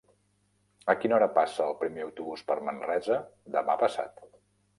A quina hora passa el primer autobús per Manresa demà passat?